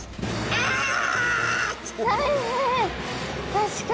確かに。